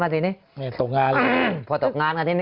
ตกงาน